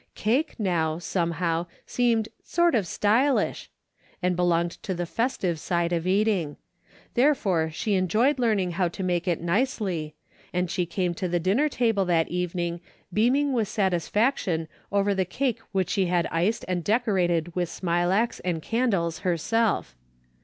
Cake, now, somehow, seemed " sort of stylish," and belonged to the festive side of eating; therefore she enjoyed learning how to make it nicely, and she came to the dinner table that evening beaming with satisfaction over the cake which she had iced and decorated with smilax and candles herself.